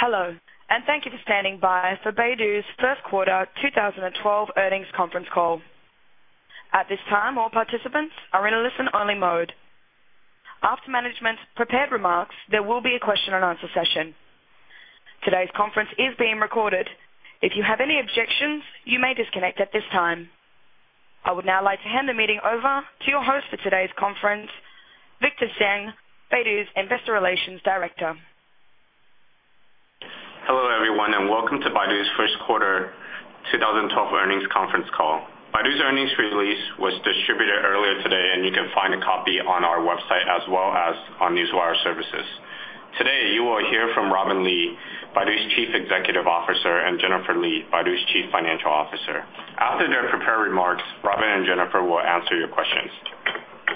Hello, and thank you for standing by for Baidu's First Quarter 2012 Earnings Conference Call. At this time, all participants are in a listen-only mode. After management's prepared remarks, there will be a question and answer session. Today's conference is being recorded. If you have any objections, you may disconnect at this time. I would now like to hand the meeting over to your host for today's conference, Victor Tseng, Baidu's Investor Relations Director. Hello, everyone, and welcome to Baidu's First Quarter 2012 Earnings Conference Call. Baidu's earnings release was distributed earlier today, and you can find a copy on our website, as well as on Newswire Services. Today, you will hear from Robin Li, Baidu's Chief Executive Officer, and Jennifer Li, Baidu's Chief Financial Officer. After their prepared remarks, Robin and Jennifer will answer your questions.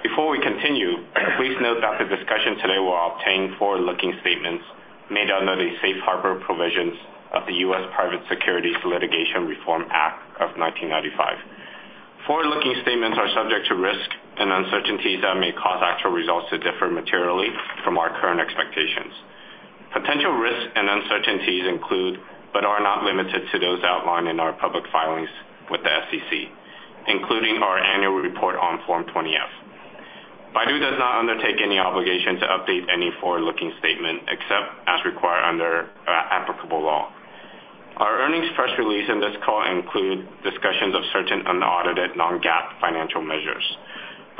Before we continue, please note that the discussion today will contain forward-looking statements made under the Safe Harbor provisions of the U.S. Private Securities Litigation Reform Act of 1995. Forward-looking statements are subject to risks and uncertainties that may cause actual results to differ materially from our current expectations. Potential risks and uncertainties include, but are not limited to, those outlined in our public filings with the SEC, including our annual report on Form 20-F. Baidu does not undertake any obligation to update any forward-looking statement except as required under applicable law. Our earnings press release and this call include discussions of certain unaudited non-GAAP financial measures.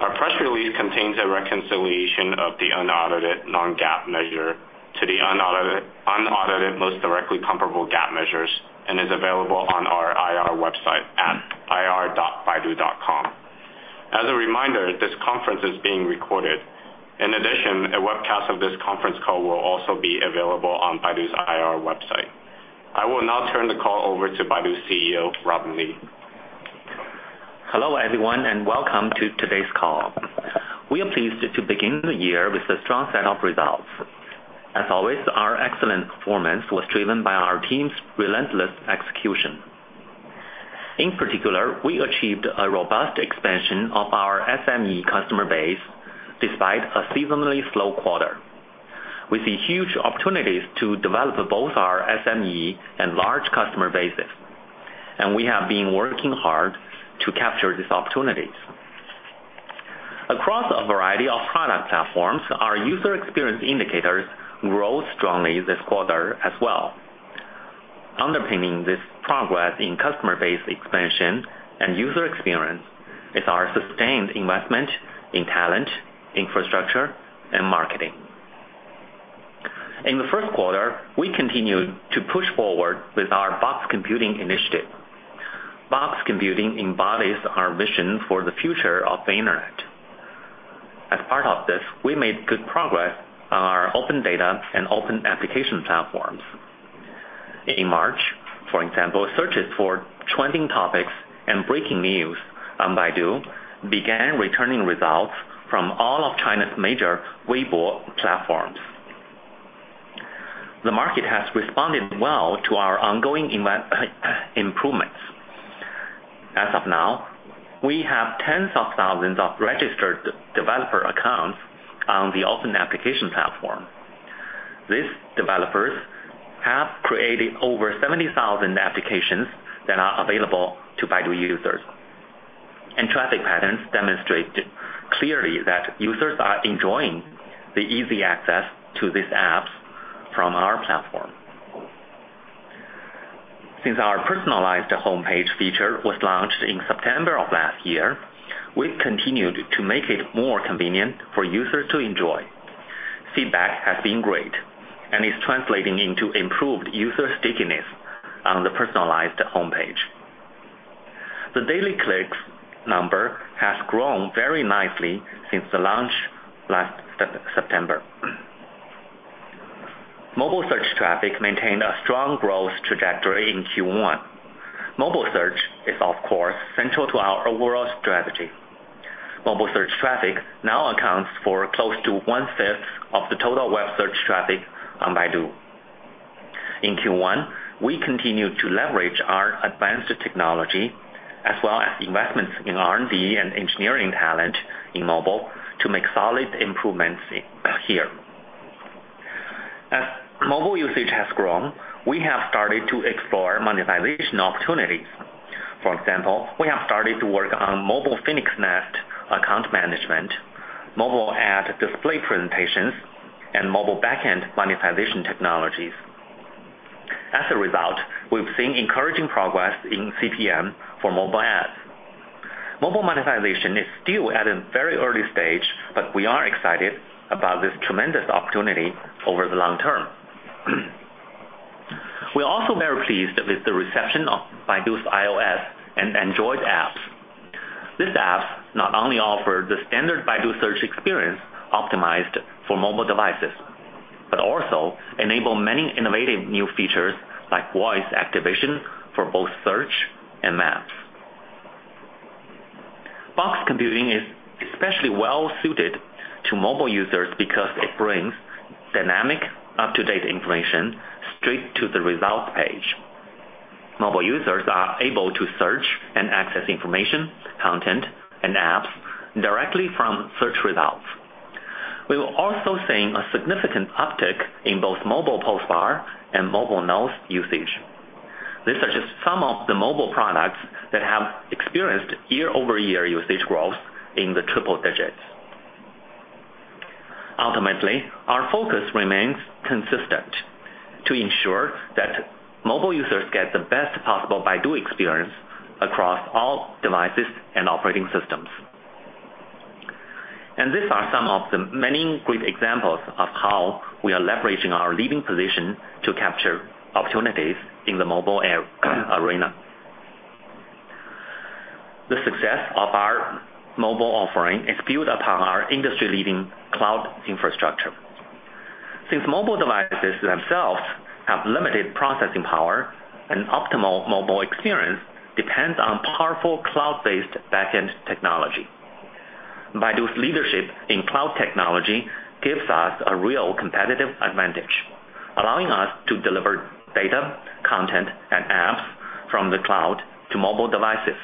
Our press release contains a reconciliation of the unaudited non-GAAP measure to the unaudited most directly comparable GAAP measures and is available on our IR website at ir.baidu.com. As a reminder, this conference is being recorded. In addition, a webcast of this conference call will also be available on Baidu's IR website. I will now turn the call over to Baidu's CEO, Robin Li. Hello, everyone, and welcome to today's call. We are pleased to begin the year with a strong set of results. As always, our excellent performance was driven by our team's relentless execution. In particular, we achieved a robust expansion of our SME customer base despite a seasonally slow quarter. We see huge opportunities to develop both our SME and large customer bases, and we have been working hard to capture these opportunities. Across a variety of product platforms, our user experience indicators rose strongly this quarter as well. Underpinning this progress in customer base expansion and user experience is our sustained investment in talent, infrastructure, and marketing. In the first quarter, we continued to push forward with our Box Computing initiative. Box Computing embodies our vision for the future of the Internet. As part of this, we made good progress on our open data and open application platforms. In March, for example, searches for trending topics and breaking news on Baidu began returning results from all of China's major Weibo platforms. The market has responded well to our ongoing improvements. As of now, we have tens of thousands of registered developer accounts on the open application platform. These developers have created over 70,000 applications that are available to Baidu users. Traffic patterns demonstrate clearly that users are enjoying the easy access to these apps from our platform. Since our personalized homepage feature was launched in September of last year, we've continued to make it more convenient for users to enjoy. Feedback has been great and is translating into improved user stickiness on the personalized homepage. The daily clicks number has grown very nicely since the launch last September. Mobile search traffic maintained a strong growth trajectory in Q1. Mobile search is, of course, central to our overall strategy. Mobile search traffic now accounts for close to one-fifth of the total web search traffic on Baidu. In Q1, we continue to leverage our advanced technology, as well as investments in R&D and engineering talent in mobile to make solid improvements here. As mobile usage has grown, we have started to explore monetization opportunities. For example, we have started to work on mobile Phoenix Nest account management, mobile ad display presentations, and mobile backend monetization technologies. As a result, we've seen encouraging progress in CPM for mobile ads. Mobile monetization is still at a very early stage, but we are excited about this tremendous opportunity over the long term. We're also very pleased with the reception of Baidu's iOS and Android apps. These apps not only offer the standard Baidu Search experience optimized for mobile devices, but also enable many innovative new features like voice activation for both search and maps. Box Computing is especially well-suited to mobile users because it brings dynamic, up-to-date information straight to the results page. Mobile users are able to search and access information, content, and apps directly from search results. We're also seeing a significant uptick in both mobile Postbar and mobile Knows usage. This is just some of the mobile products that have experienced year-over-year usage growth in the triple digits. Ultimately, our focus remains consistent to ensure that mobile users get the best possible Baidu experience across all devices and operating systems. These are some of the many great examples of how we are leveraging our leading position to capture opportunities in the mobile arena. The success of our mobile offering is built upon our industry-leading cloud infrastructure. Since mobile devices themselves have limited processing power, an optimal mobile experience depends on powerful cloud-based backend technology. Baidu's leadership in cloud technology gives us a real competitive advantage, allowing us to deliver data, content, and apps from the cloud to mobile devices.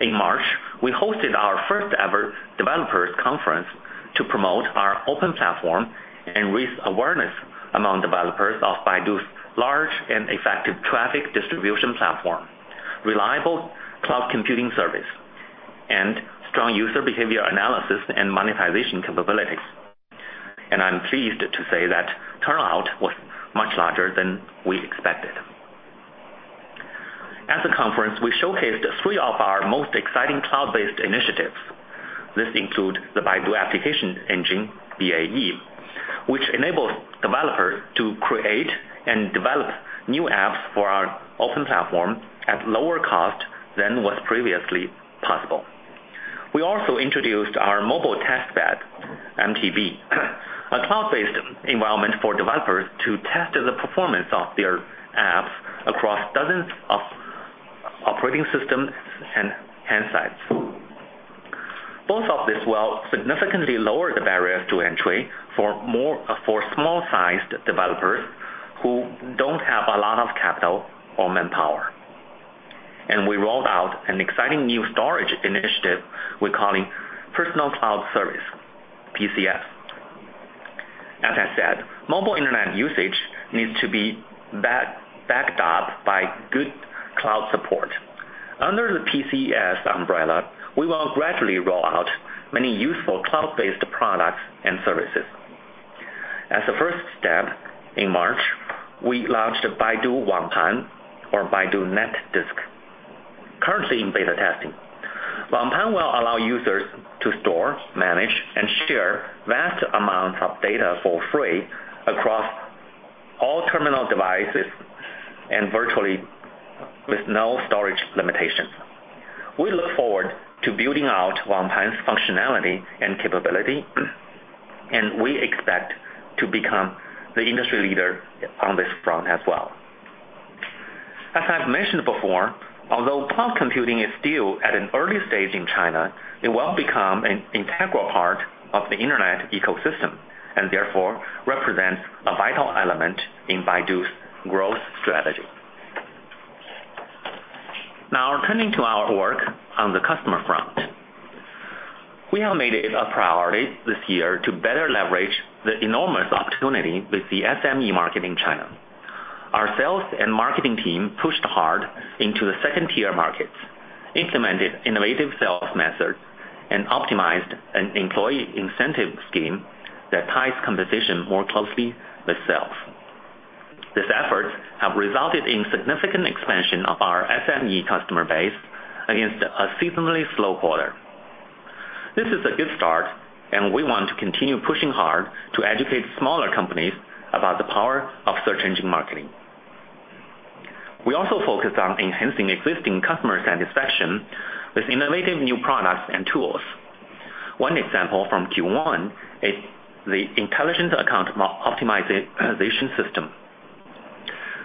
In March, we hosted our first-ever Developers Conference to promote our open application platform and raise awareness among developers of Baidu's large and effective traffic distribution platform, reliable cloud computing service, and strong user behavior analysis and monetization capabilities. I'm pleased to say that turnout was much larger than we expected. At the conference, we showcased three of our most exciting cloud-based initiatives. This includes the Baidu Application Engine, BAE, which enables developers to create and develop new apps for our open application platform at lower cost than was previously possible. We also introduced our Mobile Test Bed, MTB, a cloud-based environment for developers to test the performance of their apps across dozens of operating systems and sites. Both of these will significantly lower the barriers to entry for small-sized developers who don't have a lot of capital or manpower. We rolled out an exciting new storage initiative we're calling Personal Cloud Service, PCS. As I said, mobile internet usage needs to be backed up by good cloud support. Under the PCS umbrella, we will gradually roll out many useful cloud-based products and services. As a first step, in March, we launched Baidu Wangpan, or Baidu Netdisk, currently in beta testing. Wangpan will allow users to store, manage, and share vast amounts of data for free across all terminal devices and virtually with no storage limitations. We look forward to building out Wangpan's functionality and capability, and we expect to become the industry leader on this front as well. As I've mentioned before, although cloud computing is still at an early stage in China, it will become an integral part of the internet ecosystem and therefore represents a vital element in Baidu's growth strategy. Now, turning to our work on the customer front, we have made it a priority this year to better leverage the enormous opportunity with the SME market in China. Our sales and marketing team pushed hard into the second-tier markets, implemented innovative sales methods, and optimized an employee incentive scheme that ties competition more closely with sales. These efforts have resulted in significant expansion of our SME customer base against a seasonally slow quarter. This is a good start, and we want to continue pushing hard to educate smaller companies about the power of search engine marketing. We also focus on enhancing existing customer satisfaction with innovative new products and tools. One example from Q1 is the intelligent account optimization system.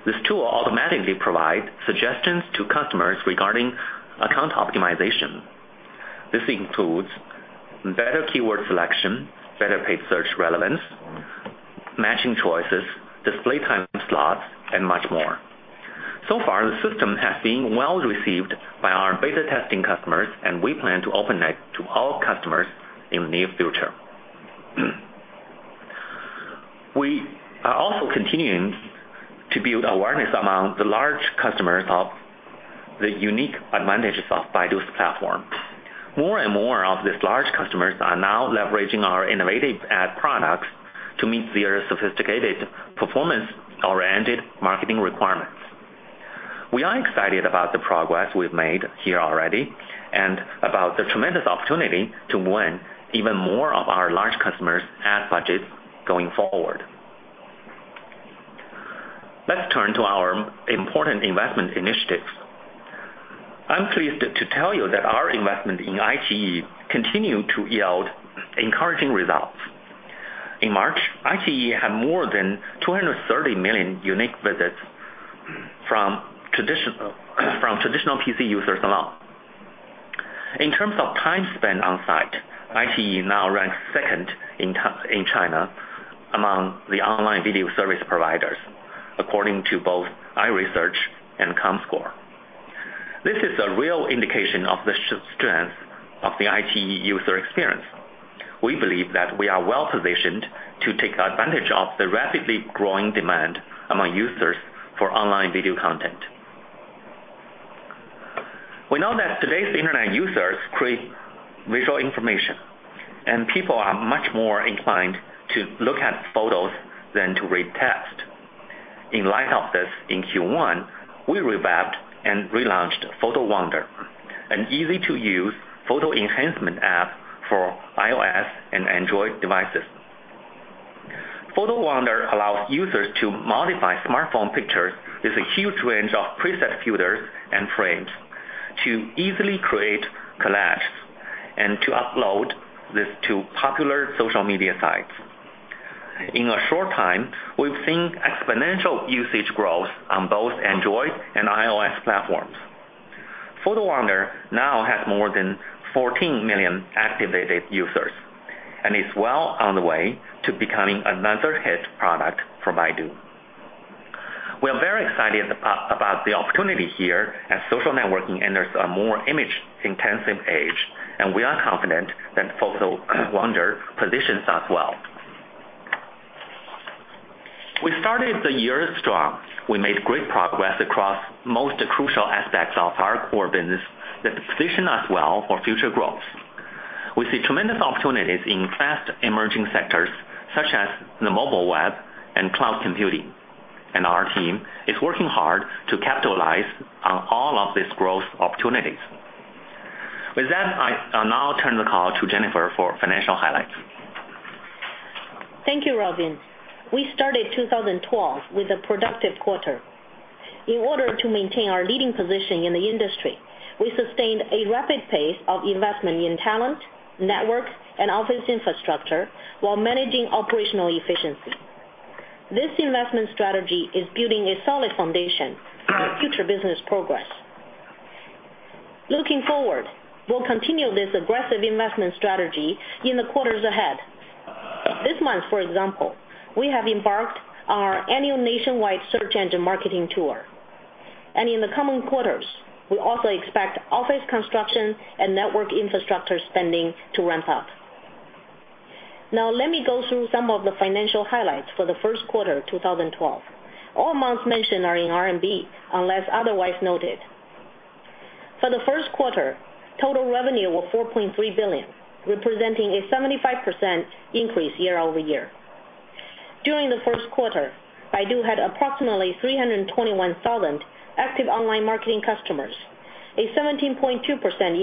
This tool automatically provides suggestions to customers regarding account optimization. This includes better keyword selection, better paid search relevance, matching choices, display time slots, and much more. So far, the system has been well received by our beta testing customers, and we plan to open it to all customers in the near future. We are also continuing to build awareness among the large customers of the unique advantages of Baidu's platform. More and more of these large customers are now leveraging our innovative ad products to meet their sophisticated, performance-oriented marketing requirements. We are excited about the progress we've made here already and about the tremendous opportunity to win even more of our large customers' ad budgets going forward. Let's turn to our important investment initiatives. I'm pleased to tell you that our investment in iQIYI continues to yield encouraging results. In March, iQIYI had more than 230 million unique visits from traditional PC users alone. In terms of time spent on site, iQIYI now ranks second in China among the online video service providers, according to both iResearch and Comscore. This is a real indication of the strength of the iQIYI user experience. We believe that we are well positioned to take advantage of the rapidly growing demand among users for online video content. We know that today's internet users crave visual information, and people are much more inclined to look at photos than to read text. In light of this, in Q1, we revamped and relaunched Photo Wonder, an easy-to-use photo enhancement app for iOS and Android devices. Photo Wonder allows users to modify smartphone pictures with a huge range of preset filters and frames to easily create, collage, and to upload to popular social media sites. In a short time, we've seen exponential usage growth on both Android and iOS platforms. Photo Wonder now has more than 14 million activated users and is well on the way to becoming another hit product for Baidu. We are very excited about the opportunity here as social networking enters a more image-intensive age, and we are confident that Photo Wonder positions as well. We started the year strong. We made great progress across most crucial aspects of our core business that position us well for future growth. We see tremendous opportunities in fast emerging sectors such as the mobile web and cloud computing, and our team is working hard to capitalize on all of these growth opportunities. With that, I now turn the call to Jennifer for financial highlights. Thank you, Robin. We started 2012 with a productive quarter. In order to maintain our leading position in the industry, we sustained a rapid pace of investment in talent, network, and office infrastructure while managing operational efficiency. This investment strategy is building a solid foundation for our future business progress. Looking forward, we'll continue this aggressive investment strategy in the quarters ahead. This month, for example, we have embarked on our annual nationwide search engine marketing tour. In the coming quarters, we also expect office construction and network infrastructure spending to ramp up. Now, let me go through some of the financial highlights for the first quarter of 2012. All amounts mentioned are in RMB unless otherwise noted. For the first quarter, total revenue was 4.3 billion, representing a 75% increase year-over-year. During the first quarter, Baidu had approximately 321,000 active online marketing customers, a 17.2%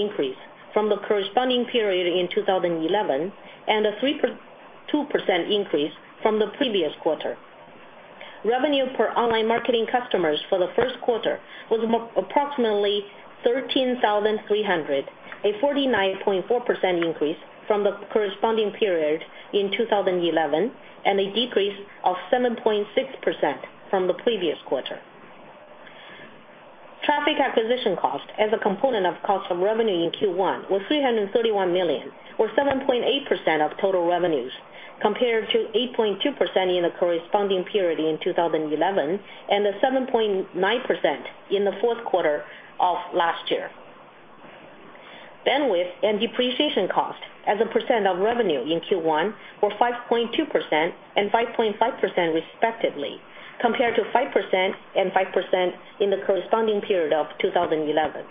increase from the corresponding period in 2011, and a 3.2% increase from the previous quarter. Revenue per online marketing customer for the first quarter was approximately 13,300, a 49.4% increase from the corresponding period in 2011, and a decrease of 7.6% from the previous quarter. Traffic acquisition cost as a component of cost of revenue in Q1 was 331 million, or 7.8% of total revenues, compared to 8.2% in the corresponding period in 2011 and 7.9% in the fourth quarter of last year. Bandwidth and depreciation cost as a percent of revenue in Q1 were 5.2% and 5.5% respectively, compared to 5% and 5% in the corresponding period of 2011.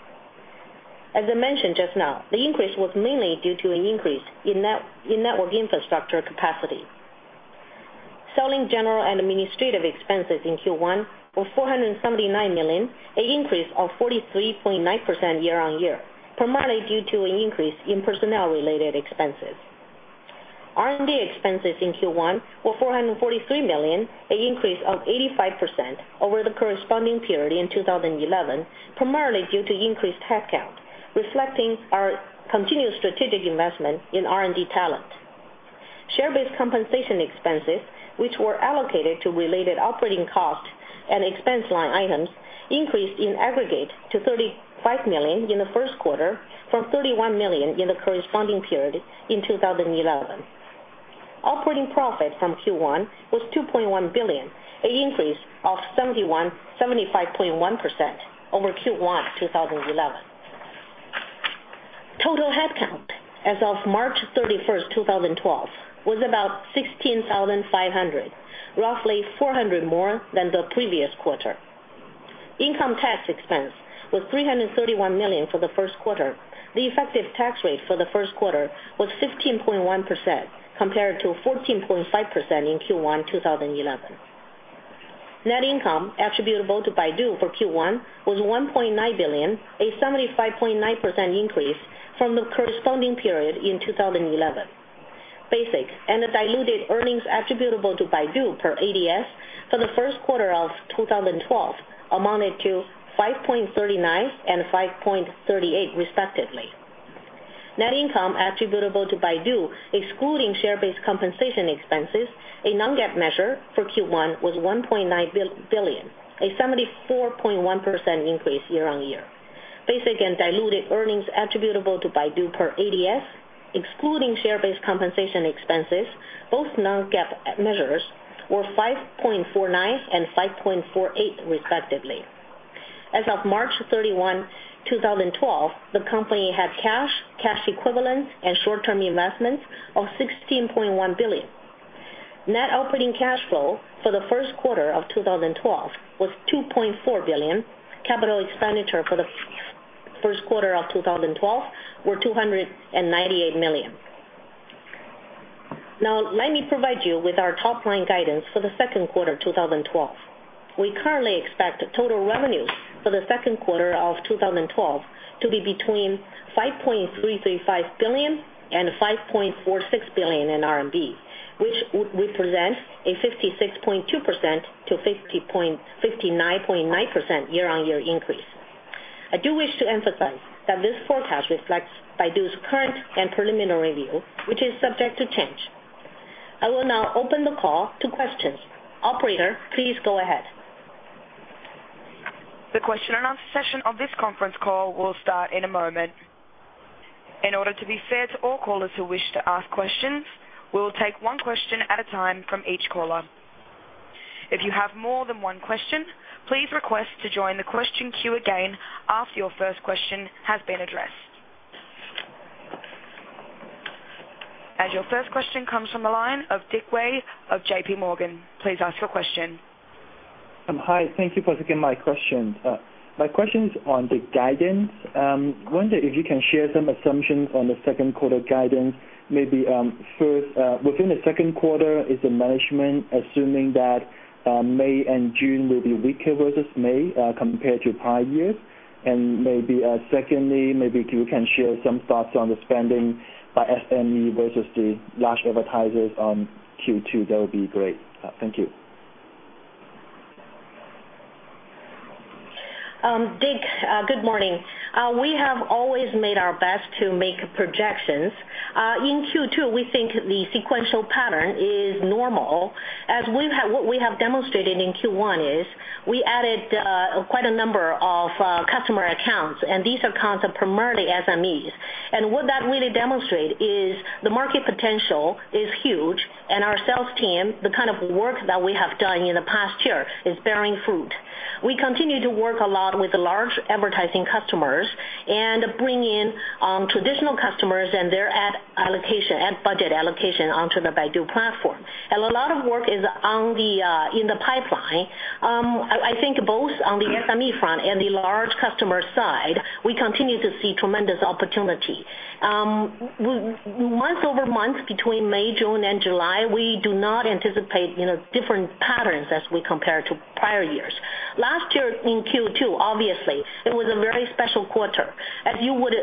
As I mentioned just now, the increase was mainly due to an increase in network infrastructure capacity. Selling, general, and administrative expenses in Q1 were RMB 479 million, an increase of 43.9% year-on-year, primarily due to an increase in personnel-related expenses. R&D expenses in Q1 were 443 million, an increase of 85% over the corresponding period in 2011, primarily due to increased headcount reflecting our continued strategic investment in R&D talent. Share-based compensation expenses, which were allocated to related operating costs and expense line items, increased in aggregate to 35 million in the first quarter from 31 million in the corresponding period in 2011. Operating profit from Q1 was 2.1 billion, an increase of 75.1% over Q1 of 2011. Total headcount as of March 31st, 2012, was about 16,500, roughly 400 more than the previous quarter. Income tax expense was 331 million for the first quarter. The effective tax rate for the first quarter was 15.1% compared to 14.5% in Q1 of 2011. Net income attributable to Baidu for Q1 was 1.9 billion, a 75.9% increase from the corresponding period in 2011. Basic and diluted earnings attributable to Baidu per ADS for the first quarter of 2012 amounted to 5.39 and 5.38, respectively. Net income attributable to Baidu, excluding share-based compensation expenses, a non-GAAP measure for Q1, was 1.9 billion, a 74.1% increase year-on-year. Basic and diluted earnings attributable to Baidu per ADS, excluding share-based compensation expenses, both non-GAAP measures, were 5.49 and 5.48, respectively. As of March 31, 2012, the company had cash, cash equivalents, and short-term investments of 16.1 billion. Net operating cash flow for the first quarter of 2012 was 2.4 billion. Capital expenditure for the first quarter of 2012 was 298 million. Now, let me provide you with our top-line guidance for the second quarter of 2012. We currently expect total revenues for the second quarter of 2012 to be between 5.335 billion and 5.46 billion RMB in RMB, which represents a 56.2%-59.9% year-on-year increase. I do wish to emphasize that this forecast reflects Baidu's current and preliminary view, which is subject to change. I will now open the call to questions. Operator, please go ahead. The question and answer session of this conference call will start in a moment. In order to be fair to all callers who wish to ask questions, we will take one question at a time from each caller. If you have more than one question, please request to join the question queue again after your first question has been addressed. As your first question comes from a line of Dick Wei of JPMorgan, please ask your question. Hi. Thank you for taking my question. My question is on the guidance. I wonder if you can share some assumptions on the second quarter guidance. Maybe first, within the second quarter, is the management assuming that May and June will be weaker versus May compared to prior years? Maybe you can share some stats on the spending by SME versus the large advertisers on Q2. That would be great. Thank you. Dick, good morning. We have always made our best to make projections. In Q2, we think the sequential pattern is normal. As we have, what we have demonstrated in Q1 is we added quite a number of customer accounts, and these accounts are primarily SMEs. What that really demonstrates is the market potential is huge, and our sales team, the kind of work that we have done in the past year, is bearing fruit. We continue to work a lot with the large advertising customers and bring in traditional customers and their ad budget allocation onto the Baidu platform. A lot of work is in the pipeline. I think both on the SME front and the large customer side, we continue to see tremendous opportunity. Month over month, between May, June, and July, we do not anticipate different patterns as we compare to prior years. Last year in Q2, obviously, it was a very special quarter. As you would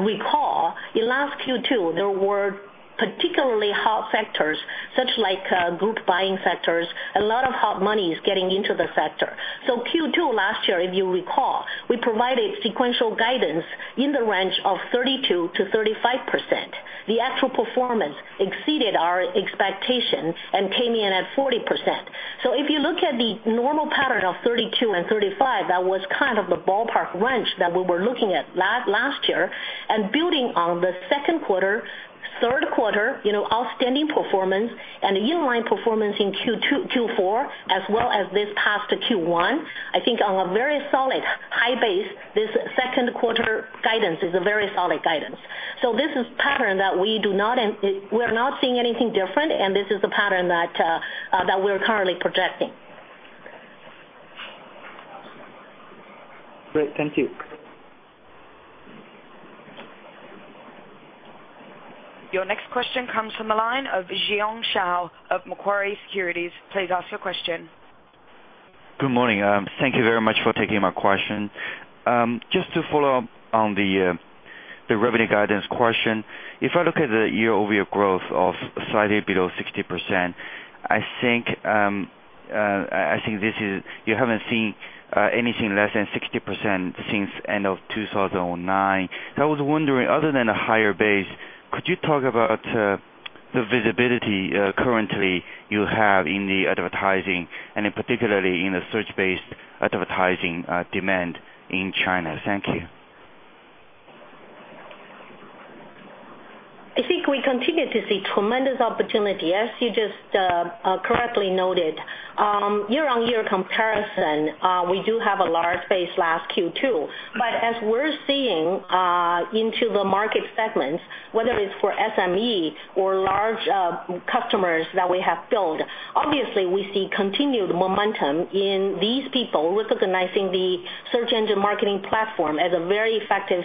recall, in last Q2, there were particularly hot sectors, such as group buying sectors. A lot of hot money is getting into the sector. Q2 last year, if you recall, we provided sequential guidance in the range of 32%-35%. The actual performance exceeded our expectations and came in at 40%. If you look at the normal pattern of 32% and 35%, that was kind of the ballpark range that we were looking at last year. Building on the second quarter, third quarter, outstanding performance and the year-long performance in Q2, Q4, as well as this past Q1, I think on a very solid high base, this second quarter guidance is a very solid guidance. This is a pattern that we do not, we're not seeing anything different, and this is the pattern that we're currently projecting. Great. Thank you. Your next question comes from a line of Jiong Shao of Macquarie Securities. Please ask your question. Good morning. Thank you very much for taking my question. Just to follow up on the revenue guidance question, if I look at the year-over-year growth of slightly below 60%, I think this is, you haven't seen anything less than 60% since the end of 2009. I was wondering, other than a higher base, could you talk about the visibility currently you have in the advertising and particularly in the search-based advertising demand in China? Thank you. I think we continue to see tremendous opportunity. As you just correctly noted, year-on-year comparison, we do have a large base last Q2. As we're seeing into the market segments, whether it's for SME or large customers that we have built, obviously, we see continued momentum in these people recognizing the search engine marketing platform as a very effective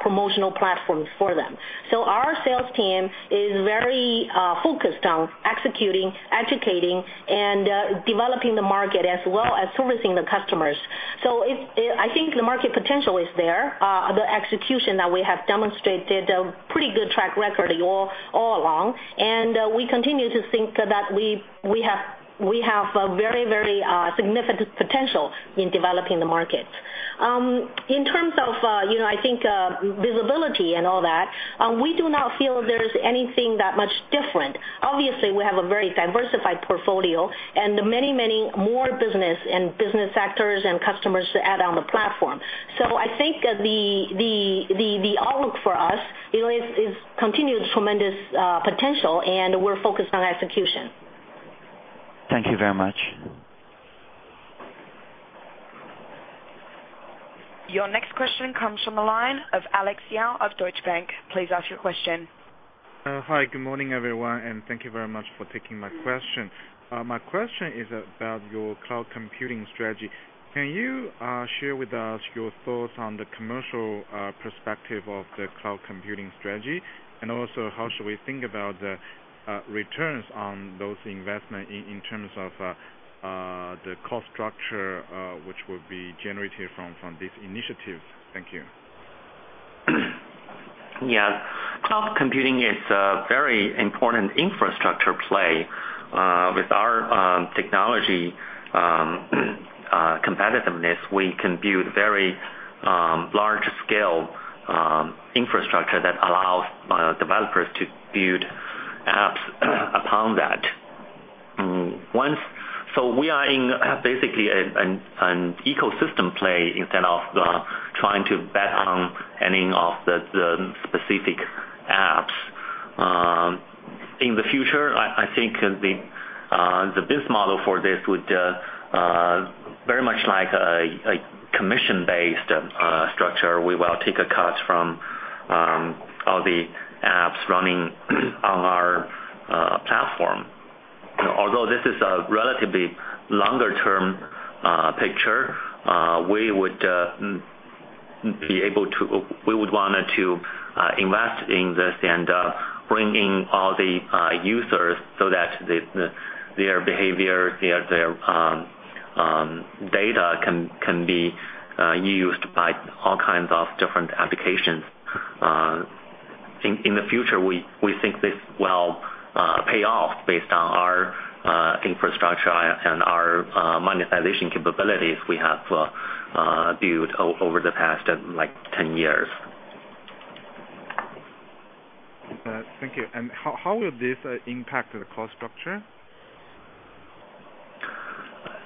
promotional platform for them. Our sales team is very focused on executing, educating, and developing the market, as well as servicing the customers. I think the market potential is there. The execution that we have demonstrated is a pretty good track record all along. We continue to think that we have very, very significant potential in developing the market. In terms of visibility and all that, we do not feel there's anything that much different. Obviously, we have a very diversified portfolio and many, many more business and business sectors and customers to add on the platform. I think the outlook for us is continued tremendous potential, and we're focused on execution. Thank you very much. Your next question comes from a line of Alex Yao of Deutsche Bank. Please ask your question. Hi. Good morning, everyone, and thank you very much for taking my question. My question is about your cloud computing strategy. Can you share with us your thoughts on the commercial perspective of the cloud computing strategy? Also, how should we think about the returns on those investments in terms of the cost structure which will be generated from this initiative? Thank you. Yes. Cloud computing is a very important infrastructure play. With our technology competitiveness, we can build very large-scale infrastructure that allows developers to build apps upon that. We are basically an ecosystem play instead of trying to bet on any of the specific apps. In the future, I think the business model for this would very much be like a commission-based structure. We will take a cut from all the apps running on our platform. Although this is a relatively longer-term picture, we would want to invest in this and bring in all the users so that their behaviors, their data can be used by all kinds of different applications. In the future, we think this will pay off based on our infrastructure and our monetization capabilities we have built over the past 10 years. Thank you. How will this impact the cost structure?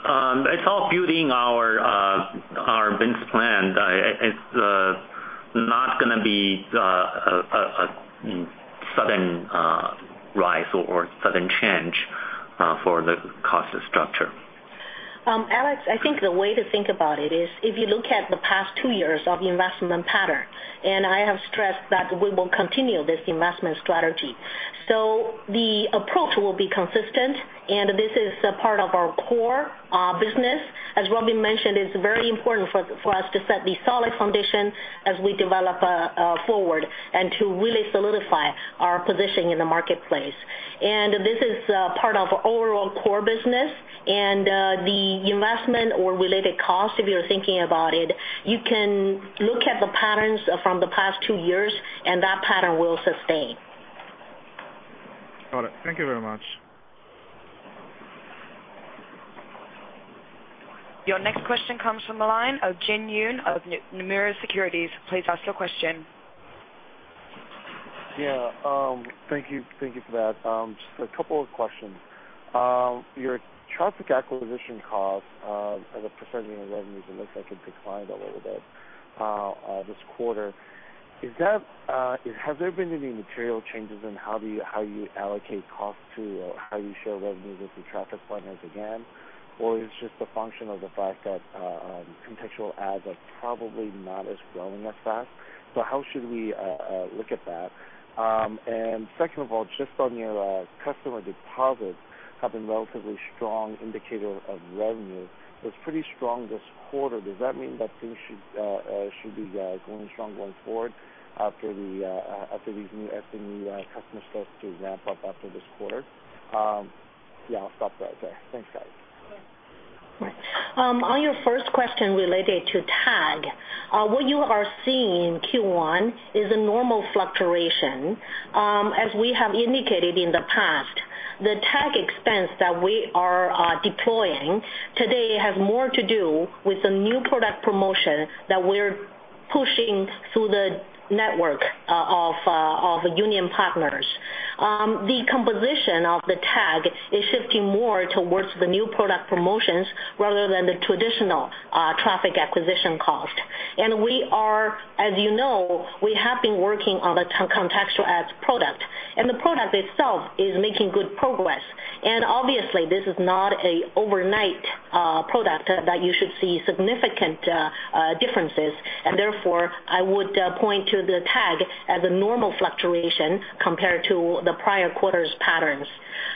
It's all building our business plan. It's not going to be a sudden rise or sudden change for the cost structure. Alex, I think the way to think about it is if you look at the past two years of the investment pattern, I have stressed that we will continue this investment strategy. The approach will be consistent, and this is a part of our core business. As Robin mentioned, it's very important for us to set the solid foundation as we develop forward and to really solidify our position in the marketplace. This is part of our overall core business. The investment or related cost, if you're thinking about it, you can look at the patterns from the past two years, and that pattern will sustain. Got it. Thank you very much. Your next question comes from a line of Jin Yoon of Nomura Securities. Please ask your question. Thank you. Thank you for that. Just a couple of questions. Your traffic acquisition costs as a percentage of revenues, it looks like it declined a little bit this quarter. Has there been any material changes in how you allocate costs to how you share revenues as a traffic finance again? Is it just a function of the fact that contextual ads are probably not as growing as fast? How should we look at that? Second of all, just on your customer deposit having a relatively strong indicator of revenue, it was pretty strong this quarter. Does that mean that things should be going strong going forward after these new SME customers start to ramp up after this quarter? I'll stop right there. Thanks, guys. On your first question related to tag, what you are seeing in Q1 is a normal fluctuation. As we have indicated in the past, the tag expense that we are deploying today has more to do with the new product promotion that we're pushing through the network of union partners. The composition of the tag is shifting more towards the new product promotions rather than the traditional traffic acquisition cost. We are, as you know, we have been working on the contextual ads product. The product itself is making good progress. Obviously, this is not an overnight product that you should see significant differences. Therefore, I would point to the tag as a normal fluctuation compared to the prior quarter's patterns.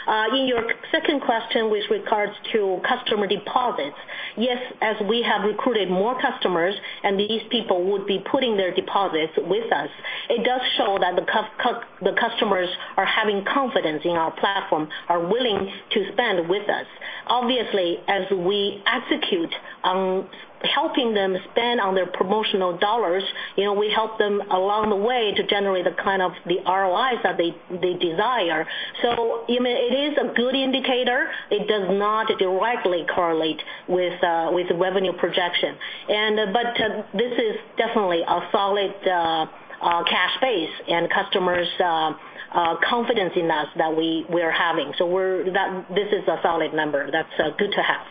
In your second question with regards to customer deposits, yes, as we have recruited more customers and these people would be putting their deposits with us, it does show that the customers are having confidence in our platform, are willing to spend with us. Obviously, as we execute on helping them spend on their promotional dollars, we help them along the way to generate the kind of the ROIs that they desire. It is a good indicator. It does not directly correlate with revenue projection. This is definitely a solid cash base and customers' confidence in us that we are having. This is a solid number. That's good to have.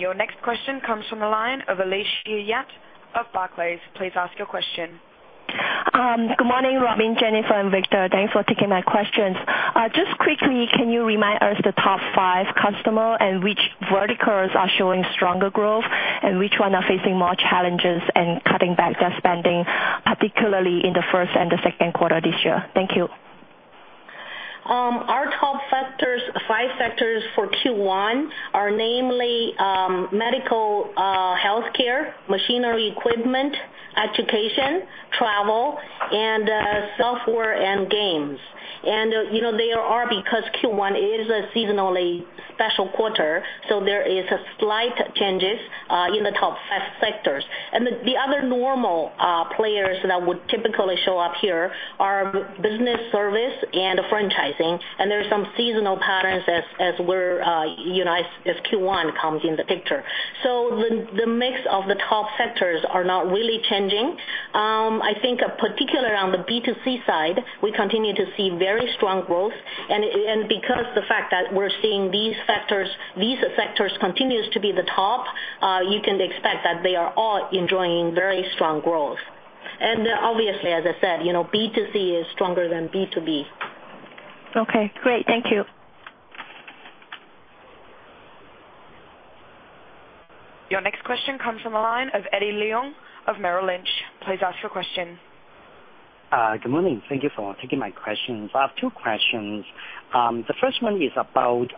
Your next question comes from a line of Alicia Yap of Barclays. Please ask your question. Good morning, Robin, Jennifer, and Victor. Thanks for taking my questions. Just quickly, can you remind us the top five customers and which verticals are showing stronger growth and which ones are facing more challenges in cutting back their spending, particularly in the first and the second quarter this year? Thank you. Our top five sectors for Q1 are namely medical health care, machinery equipment, education, travel, and software and games. There are, because Q1 is a seasonally special quarter, slight changes in the top five sectors. The other normal players that would typically show up here are business service and franchising. There are some seasonal patterns as Q1 comes in the picture. The mix of the top sectors is not really changing. I think particularly on the B2C side, we continue to see very strong growth. Because of the fact that we're seeing these sectors continue to be the top, you can expect that they are all enjoying very strong growth. Obviously, as I said, B2C is stronger than B2B. OK. Great. Thank you. Your next question comes from a line of Eddie Leung of Merrill Lynch. Please ask your question. Good morning. Thank you for taking my questions. I have two questions. The first one is about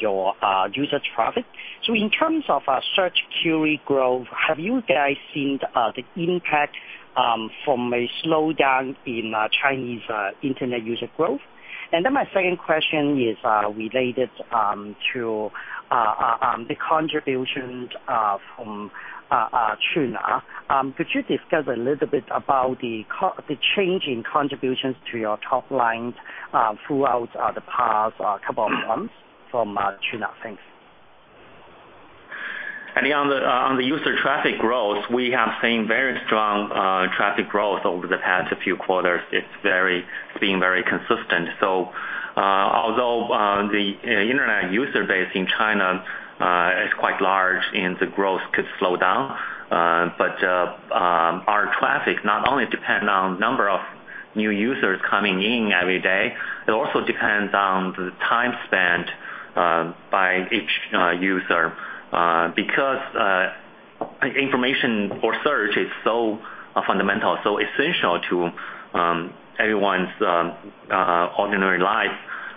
your user traffic. In terms of search query growth, have you guys seen the impact from a slowdown in Chinese internet user growth? My second question is related to the contributions from Qunar. Could you discuss a little bit about the change in contributions to your top lines throughout the past couple of months from Qunar? Thanks. I mean, on the user traffic growth, we have seen very strong traffic growth over the past few quarters. It's been very consistent. Although the internet user base in China is quite large and the growth could slow down, our traffic not only depends on the number of new users coming in every day. It also depends on the time spent by each user because information or search is so fundamental, so essential to everyone's ordinary life.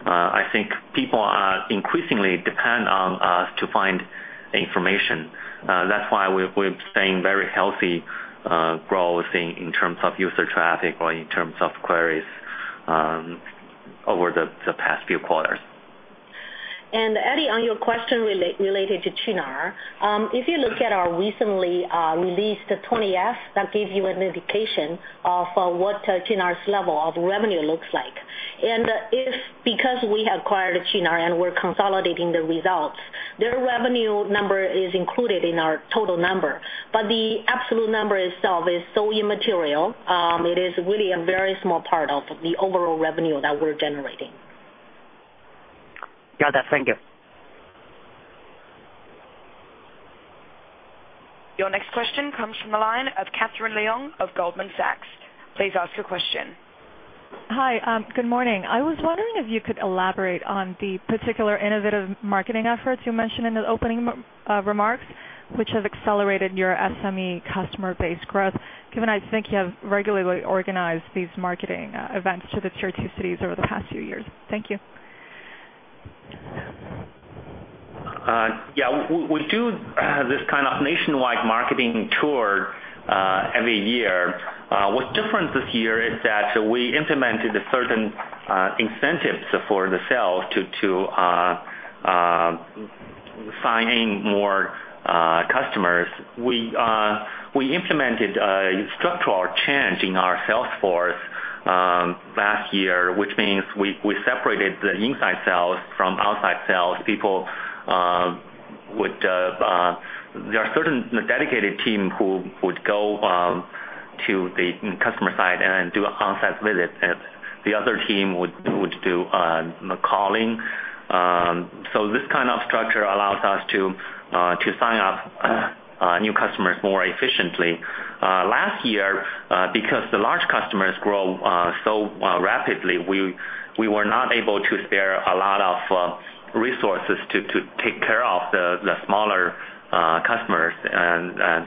I think people are increasingly dependent on us to find information. That's why we're seeing very healthy growth in terms of user traffic or in terms of queries over the past few quarters. Eddie, on your question related to Qunar, if you look at our recently released 20-F, that gives you an indication of what Qunar's level of revenue looks like. Because we acquired Qunar and we're consolidating the results, their revenue number is included in our total number. The absolute number itself is so immaterial. It is really a very small part of the overall revenue that we're generating. Got it. Thank you. Your next question comes from the line of Catherine Leung of Goldman Sachs. Please ask your question. Hi. Good morning. I was wondering if you could elaborate on the particular innovative marketing efforts you mentioned in the opening remarks, which have accelerated your SME customer base growth, given I think you have regularly organized these marketing events to the Tier 2 and Tier 3 cities over the past few years. Thank you. Yeah. We do this kind of nationwide marketing tour every year. What's different this year is that we implemented certain incentives for the sales to sign in more customers. We implemented a structural change in our sales force last year, which means we separated the inside sales from outside sales. There are certain dedicated teams who would go to the customer side and do onsite visits. The other team would do calling. This kind of structure allows us to sign up new customers more efficiently. Last year, because the large customers grow so rapidly, we were not able to spare a lot of resources to take care of the smaller customers.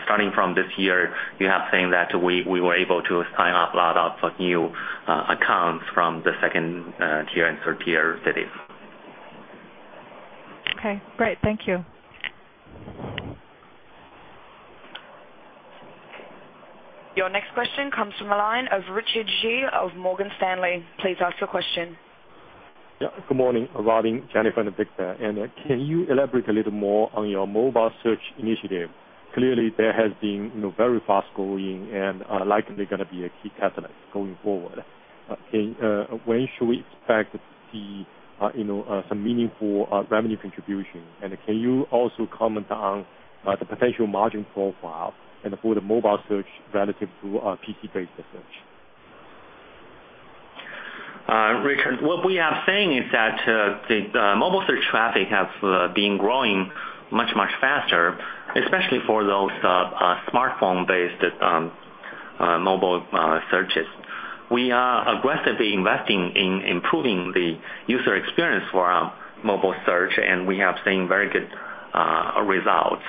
Starting from this year, you have seen that we were able to sign up a lot of new accounts from the 2nd tier and 3rd tier cities. OK. Great. Thank you. Your next question comes from a line of Richard Ji of Morgan Stanley. Please ask your question. Good morning, Robin, Jennifer, and Victor. Can you elaborate a little more on your mobile search initiative? Clearly, that has been very fast going and likely going to be a key catalyst going forward. When should we expect to see some meaningful revenue contribution? Can you also comment on the potential margin profile for the mobile search relative to PC-based search? Richard, what we are saying is that the mobile search traffic has been growing much, much faster, especially for those smartphone-based mobile searches. We are aggressively investing in improving the user experience for our mobile search, and we have seen very good results.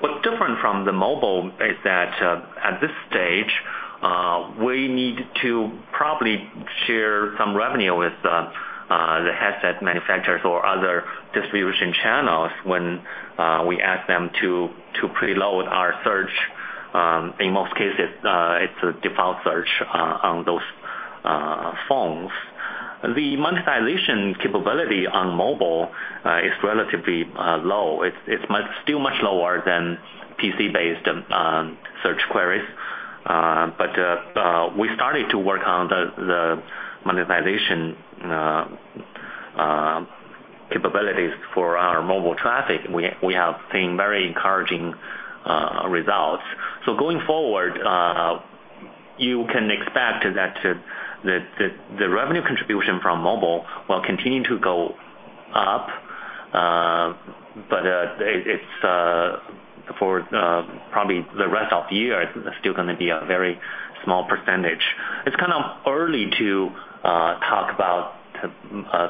What's different from the mobile is that at this stage, we need to probably share some revenue with the headset manufacturers or other distribution channels when we ask them to preload our search. In most cases, it's a default search on those phones. The monetization capability on mobile is relatively low. It's still much lower than PC-based search queries. We started to work on the monetization capabilities for our mobile traffic. We have seen very encouraging results. Going forward, you can expect that the revenue contribution from mobile will continue to go up. For probably the rest of the year, it's still going to be a very small percentage. It's kind of early to talk about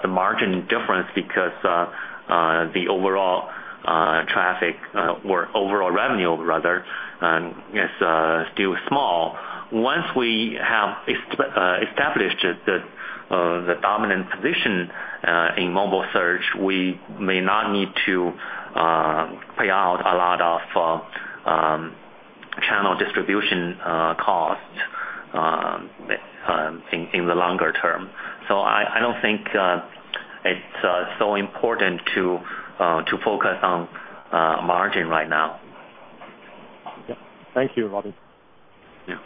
the margin difference because the overall traffic or overall revenue, rather, is still small. Once we have established the dominant position in mobile search, we may not need to pay out a lot of channel distribution costs in the longer term. I don't think it's so important to focus on margin right now. Yeah, thank you, Robin. Yeah.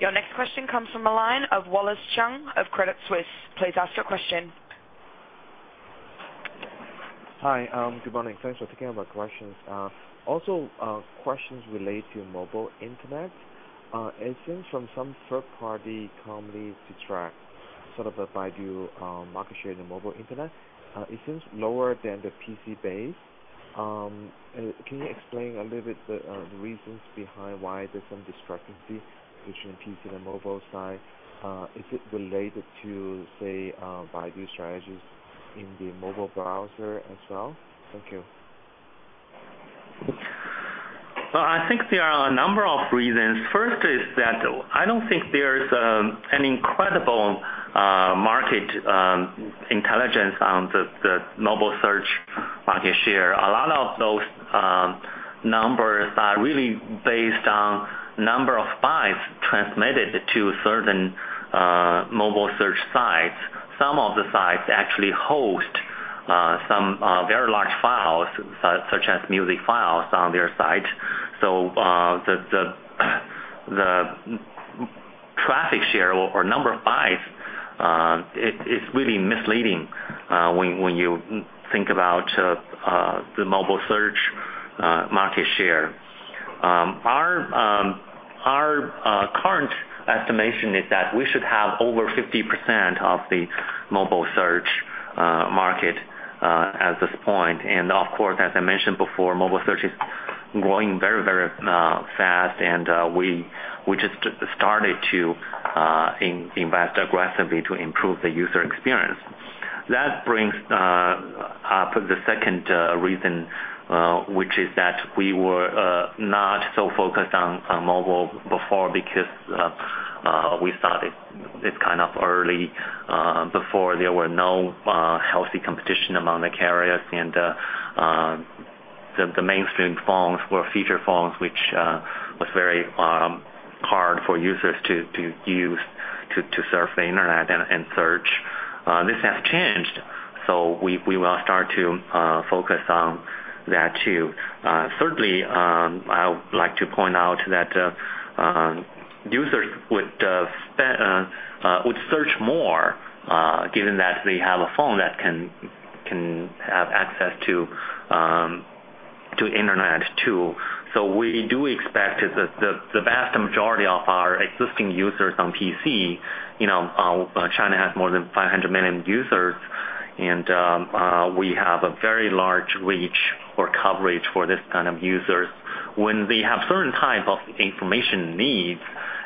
Your next question comes from a line of Wallace Cheng of Credit Suisse. Please ask your question. Hi. Good morning. Thanks for taking my questions. Also, questions relate to mobile internet. It seems from some third-party company to track sort of Baidu market share in the mobile internet, it seems lower than the PC base. Can you explain a little bit the reasons behind why there's some discrepancy between PC and the mobile side? Is it related to, say, Baidu's strategies in the mobile browser as well? Thank you. I think there are a number of reasons. First is that I don't think there's an incredible market intelligence on the mobile search market share. A lot of those numbers are really based on the number of buyers transmitted to certain mobile search sites. Some of the sites actually host some very large files, such as music files on their site. The traffic share or number of buyers is really misleading when you think about the mobile search market share. Our current estimation is that we should have over 50% of the mobile search market at this point. As I mentioned before, mobile search is growing very, very fast. We just started to invest aggressively to improve the user experience. That brings up the second reason, which is that we were not so focused on mobile before because we started this kind of early before there was healthy competition among the carriers. The mainstream phones were feature phones, which was very hard for users to use to surf the internet and search. This has changed. We will start to focus on that too. Certainly, I would like to point out that users would search more, given that they have a phone that can have access to the internet too. We do expect the vast majority of our existing users on PC, you know, China has more than 500 million users, and we have a very large reach or coverage for this kind of users. When they have certain types of information needs,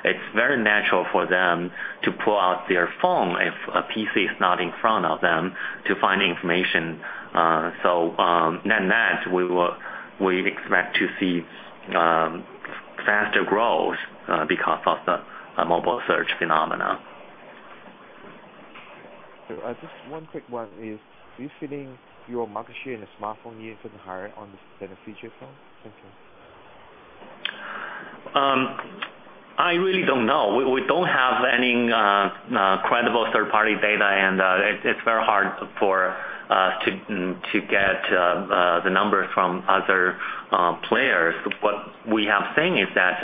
it's very natural for them to pull out their phone if a PC is not in front of them to find information. In that, we expect to see faster growth because of the mobile search phenomenon. Just one quick one, do you think your market share in the smartphone is even higher than the feature phone? Thank you. I really don't know. We don't have any credible third-party data, and it's very hard for us to get the numbers from other players. What we have seen is that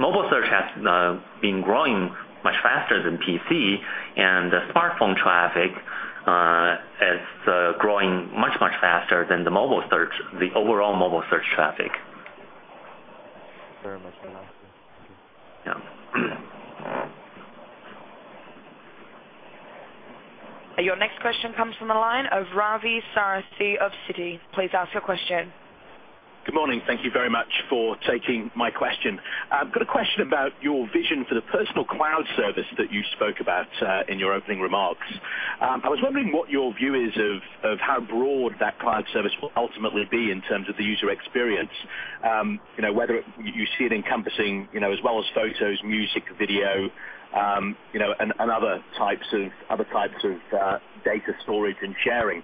mobile search has been growing much faster than PC, and the smartphone traffic is growing much, much faster than the overall mobile search traffic. Very much nice. Your next question comes from a line of Ravi Sarathy of Citi. Please ask your question. Good morning. Thank you very much for taking my question. I've got a question about your vision for the Personal Cloud Service that you spoke about in your opening remarks. I was wondering what your view is of how broad that cloud service will ultimately be in terms of the user experience, whether you see it encompassing as well as photos, music, video, and other types of data storage and sharing.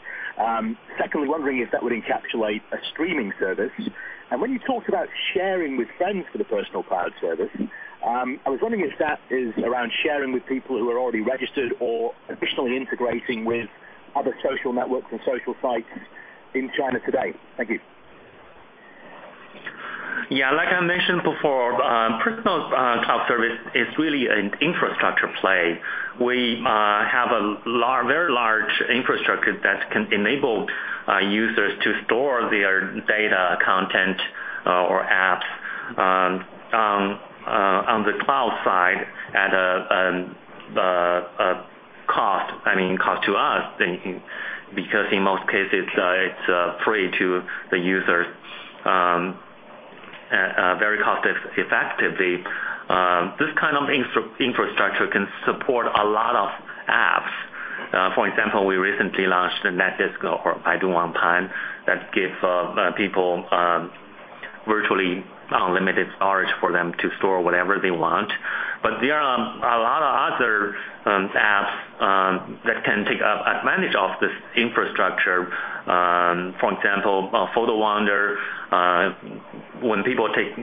Second, I'm wondering if that would encapsulate a streaming service. When you talked about sharing with friends for the Personal Cloud Service, I was wondering if that is around sharing with people who are already registered or additionally integrating with other social networks and social sites in China today. Thank you. Yeah. Like I mentioned before, Personal Cloud Service is really an infrastructure play. We have a very large infrastructure that can enable users to store their data, content, or apps on the cloud side at the cost, I mean, cost to us, because in most cases, it's free to the users, very cost-effectively. This kind of infrastructure can support a lot of apps. For example, we recently launched Baidu Wangpan that gives people virtually unlimited storage for them to store whatever they want. There are a lot of other apps that can take advantage of this infrastructure. For example, Photo Wonder. When people take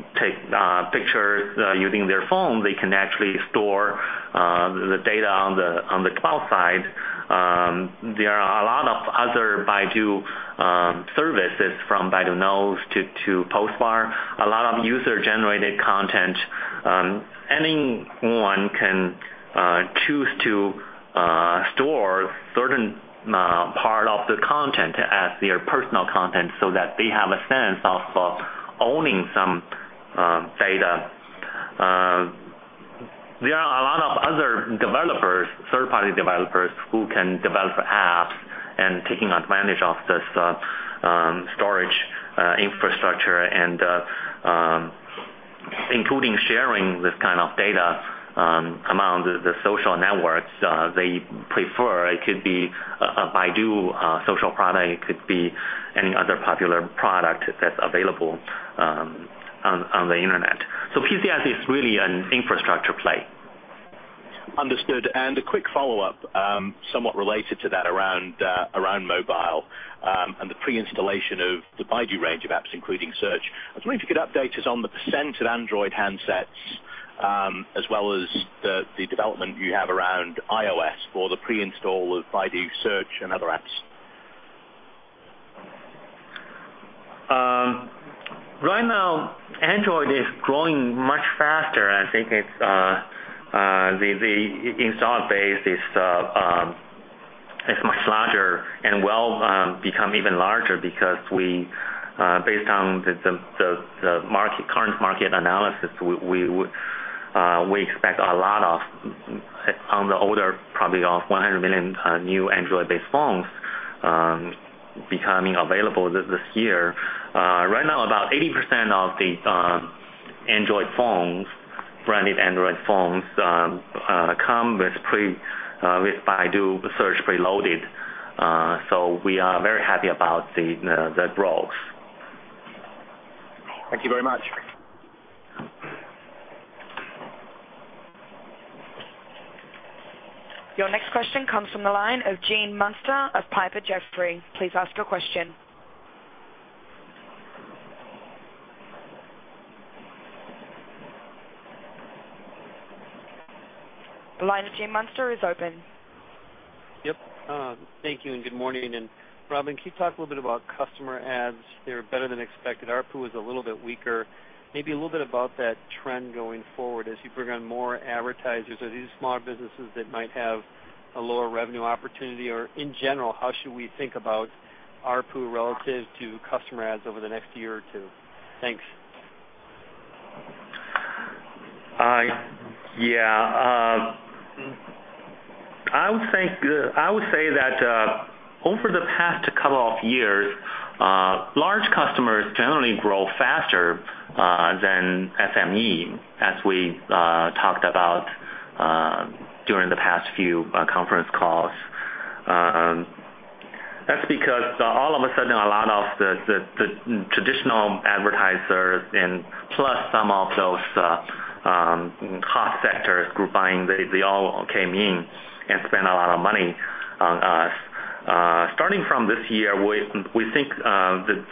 pictures using their phone, they can actually store the data on the cloud side. There are a lot of other Baidu services from Baidu Knows to Postbar, a lot of user-generated content. Anyone can choose to store a certain part of the content as their personal content so that they have a sense of owning some data. There are a lot of other developers, third-party developers who can develop apps and take advantage of this storage infrastructure, including sharing this kind of data among the social networks they prefer. It could be a Baidu social product. It could be any other popular product that's available on the internet. PCS is really an infrastructure play. Understood. A quick follow-up somewhat related to that around mobile and the pre-installation of the Baidu range of apps, including search. I was wondering if you could update us on the potential Android handset as well as the development you have around iOS for the pre-install of Baidu Search and other apps. Right now, Android is growing much faster. I think the installer base is much larger and will become even larger because, based on the current market analysis, we expect a lot of, on the order probably of 100 million new Android-based phones becoming available this year. Right now, about 80% of the Android phones, branded Android phones, come with Baidu Search preloaded. We are very happy about the growth. Thank you very much. Your next question comes from the line of Gene Munster of Piper Jaffray. Please ask your question. The line of Gene Munster is open. Thank you. Good morning. Robin, can you talk a little bit about customer ads? They were better than expected. ARPU was a little bit weaker. Maybe a little bit about that trend going forward as you bring on more advertisers or these smaller businesses that might have a lower revenue opportunity. In general, how should we think about ARPU relative to customer ads over the next year or two? Thanks. Yeah. I would say that over the past couple of years, large customers generally grow faster than SME, as we talked about during the past few conference calls. That's because all of a sudden, a lot of the traditional advertisers and plus some of those hot sectors, group buying, they all came in and spent a lot of money on us. Starting from this year, we think that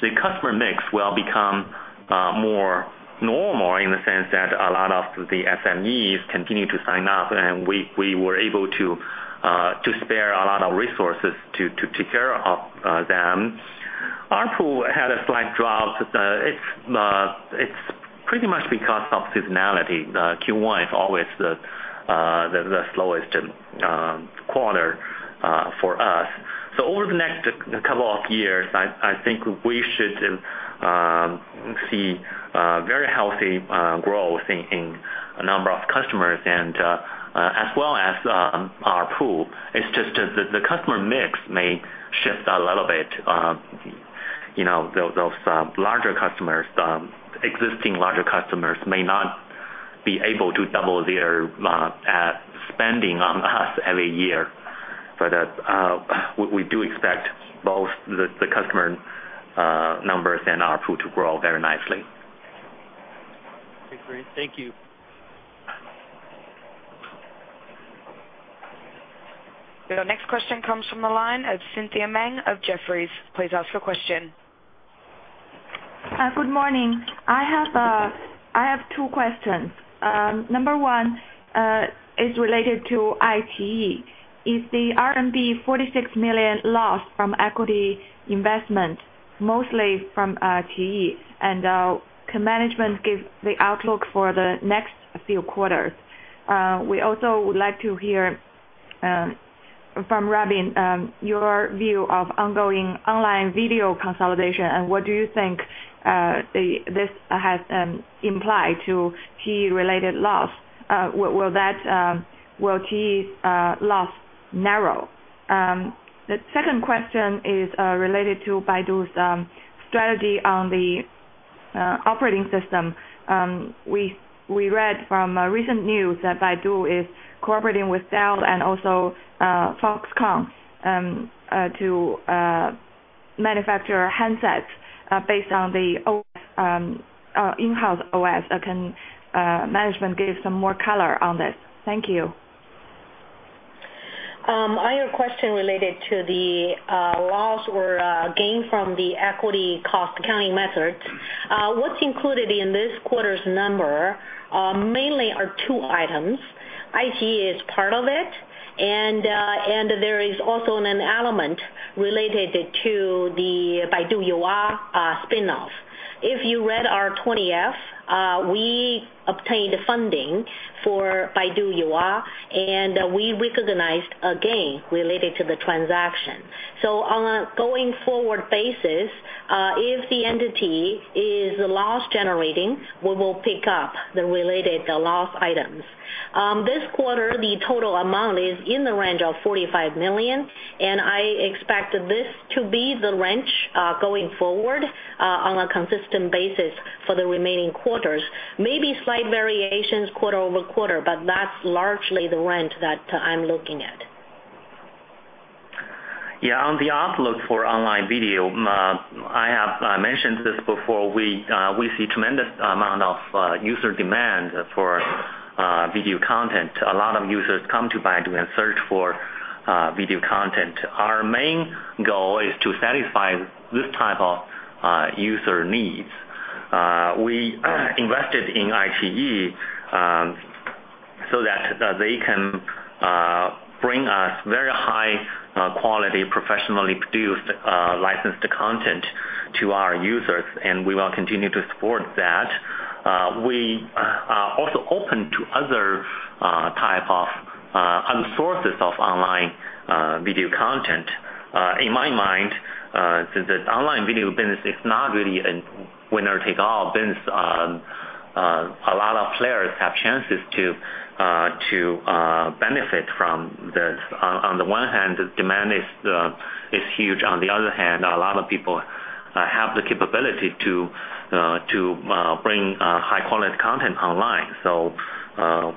the customer mix will become more normal in the sense that a lot of the SMEs continue to sign up, and we were able to spare a lot of resources to take care of them. ARPU had a slight drop. It's pretty much because of seasonality. Q1 is always the slowest quarter for us. Over the next couple of years, I think we should see very healthy growth in a number of customers as well as ARPU. It's just the customer mix may shift a little bit. Those larger customers, existing larger customers may not be able to double their spending on us every year. We do expect both the customer numbers and ARPU to grow very nicely. Great. Thank you. Your next question comes from the line of Cynthia Meng of Jefferies. Please ask your question. Good morning. I have two questions. Number one is related to iQIYI. Is the R&D RMB 46 million loss from equity investment mostly from iQIYI? Can management give the outlook for the next few quarters? We also would like to hear from Robin, your view of ongoing online video consolidation, and what do you think this has implied to iQIYI-related loss? Will QIYI loss narrow? The second question is related to Baidu's strategy on the operating system. We read from recent news that Baidu is cooperating with Dell and also Foxconn to manufacture handsets based on the in-house OS. Can management give some more color on this? Thank you. I have a question related to the loss or gain from the equity cost accounting methods. What's included in this quarter's number mainly are two items. iQIYI is part of it, and there is also an element related to the Baidu [Yua] spin-off. If you read our 20-F, we obtained funding for Baidu [Yua], and we recognized a gain related to the transaction. On a going-forward basis, if the entity is loss-generating, we will pick up the related loss items. This quarter, the total amount is in the range of 45 million. I expect this to be the range going forward on a consistent basis for the remaining quarters, maybe slight variations quarter over quarter, but that's largely the range that I'm looking at. Yeah. On the outlook for online video, I have mentioned this before. We see a tremendous amount of user demand for video content. A lot of users come to Baidu and search for video content. Our main goal is to satisfy this type of user needs. We invested in iQIYI so that they can bring us very high-quality, professionally produced, licensed content to our users, and we will continue to support that. We are also open to other types of other sources of online video content. In my mind, the online video business is not really a winner-take-all business. A lot of players have chances to benefit from this. On the one hand, the demand is huge. On the other hand, a lot of people have the capability to bring high-quality content online.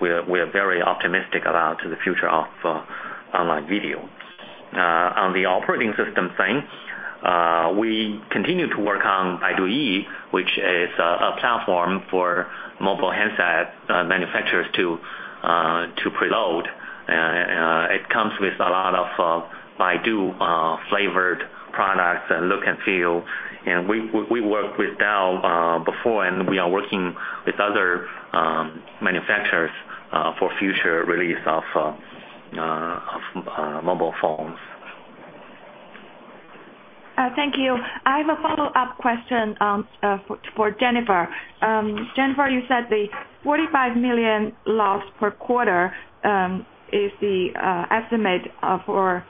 We are very optimistic about the future of online video. On the operating system thing, we continue to work on Baidu Yi, which is a platform for mobile handset manufacturers to preload. It comes with a lot of Baidu-flavored products and look and feel. We worked with Dell before, and we are working with other manufacturers for future release of mobile phones. Thank you. I have a follow-up question for Jennifer. Jennifer, you said the 45 million loss per quarter is the estimate for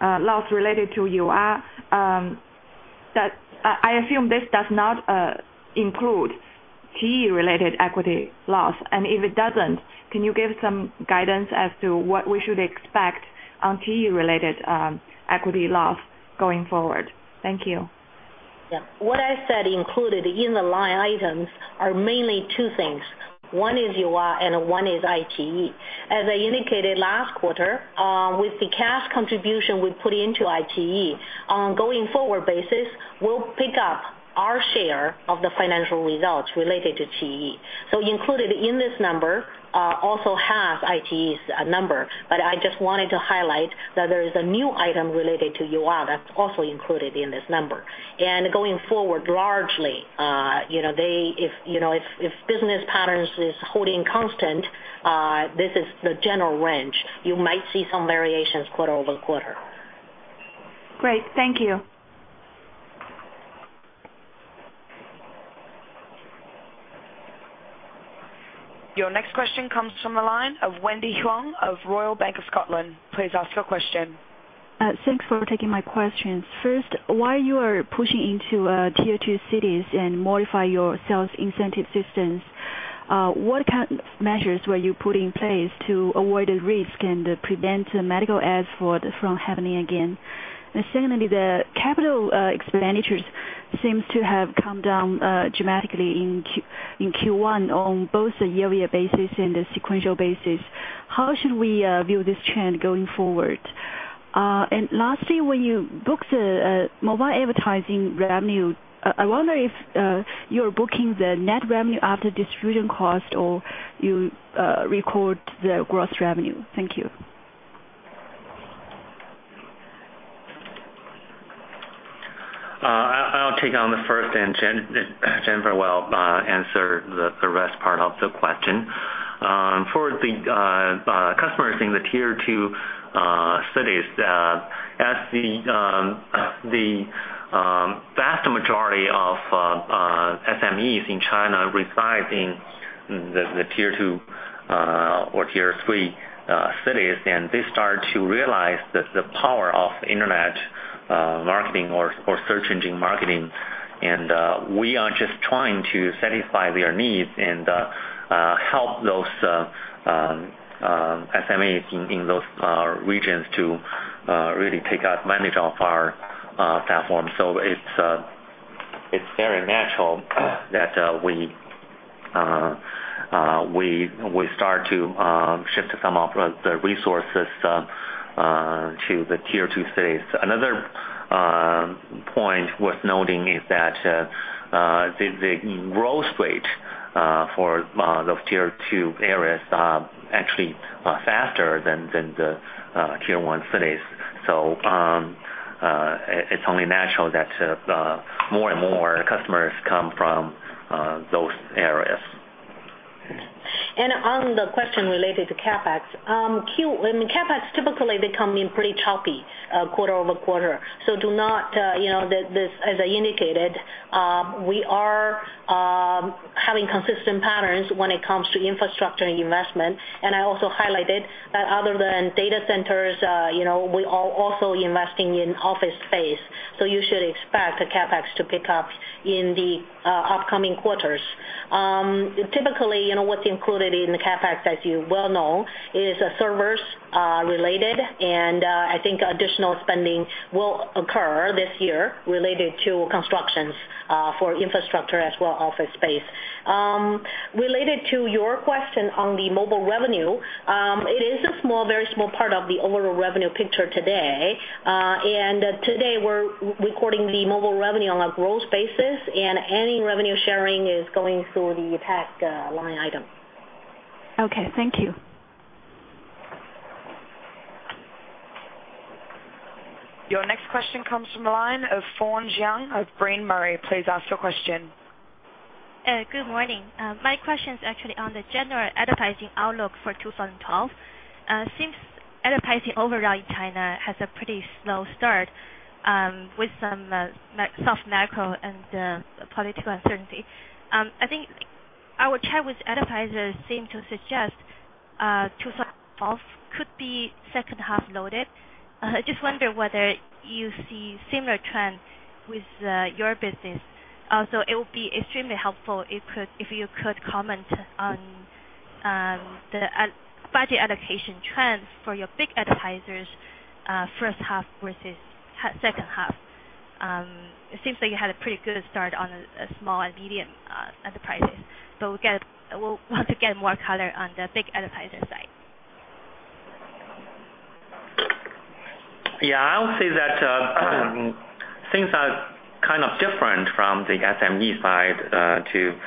loss related to [Yua]. I assume this does not include QIYI-related equity loss. If it doesn't, can you give some guidance as to what we should expect on QIYI-related equity loss going forward? Thank you. Yeah. What I said included in the line items are mainly two things. One is [Yua] and one is iQIYI. As I indicated last quarter, with the cash contribution we put into iQIYI, on a going-forward basis, we'll pick up our share of the financial results related to QIYI. Included in this number also has iQIYI's number. I just wanted to highlight that there is a new item related to [Yua] that's also included in this number. Going forward, largely, if business patterns are holding constant, this is the general range. You might see some variations quarter over quarter. Great. Thank you. Your next question comes from a line of Wendy Huang of Royal Bank of Scotland. Please ask your question. Thanks for taking my questions. First, why are you pushing into Tier 2 and Tier 3 cities and modifying your sales incentive systems? What kind of measures were you putting in place to avoid the risk and prevent medical ads from happening again? The capital expenditures seem to have come down dramatically in Q1 on both the year-to-year basis and the sequential basis. How should we view this trend going forward? Lastly, when you book the mobile advertising revenue, I wonder if you are booking the net revenue after distribution cost or you record the gross revenue. Thank you. I'll take it on the first. Jennifer will answer the rest part of the question. For the customers in the Tier 2 cities, as the vast majority of SMEs in China reside in the Tier 2 or Tier 3 cities, they start to realize the power of internet marketing or search engine marketing. We are just trying to satisfy their needs and help those SMEs in those regions to really take advantage of our platform. It is very natural that we start to shift some of the resources to the Tier 2 cities. Another point worth noting is that the growth rate for those Tier 2 areas is actually faster than the Tier 1 cities. It is only natural that more and more customers come from those areas. On the question related to CapEx, CapEx typically becomes pretty choppy quarter over quarter. Do not, you know, as I indicated, we are having consistent patterns when it comes to infrastructure investment. I also highlighted that other than data centers, we are also investing in office space. You should expect CapEx to pick up in the upcoming quarters. Typically, you know what's included in the CapEx, as you well know, is servers related. I think additional spending will occur this year related to constructions for infrastructure as well as office space. Related to your question on the mobile revenue, it is a very small part of the overall revenue picture today. Today, we're recording the mobile revenue on a growth basis, and any revenue sharing is going through the tax line item. OK. Thank you. Your next question comes from the line of [Fong Jiang of Berenberg]. Please ask your question. Good morning. My question is actually on the general advertising outlook for 2012. Since advertising overall in China has a pretty slow start with some soft macro and political uncertainty, I think our chat with advertisers seems to suggest 2012 could be second half loaded. I just wonder whether you see a similar trend with your business. Also, it would be extremely helpful if you could comment on the budget allocation trends for your big advertisers' first half versus second half. It seems like you had a pretty good start on small and medium enterprises. We want to get more color on the big advertiser side. Yeah. I would say that things are kind of different from the SME side to